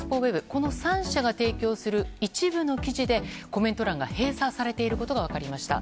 この３社が提供する一部の記事でコメント欄が閉鎖されていることが分かりました。